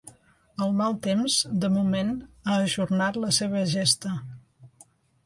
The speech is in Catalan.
El mal temps, de moment, ha ajornat la seva gesta.